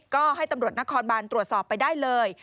ก็ให้ตำรวจนครบานตรวจสอบไปได้เลย